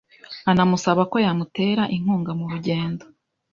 anamusaba ko yamutera inkunga mu rugendo